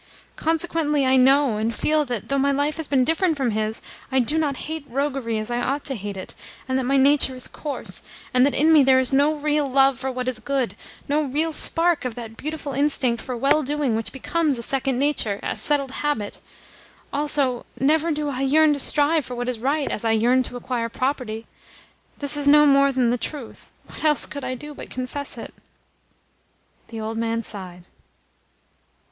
Consequently I know and feel that, though my life has been different from his, I do not hate roguery as I ought to hate it, and that my nature is coarse, and that in me there is no real love for what is good, no real spark of that beautiful instinct for well doing which becomes a second nature, a settled habit. Also, never do I yearn to strive for what is right as I yearn to acquire property. This is no more than the truth. What else could I do but confess it?" The old man sighed.